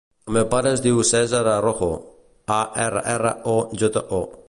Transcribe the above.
El meu pare es diu Cèsar Arrojo: a, erra, erra, o, jota, o.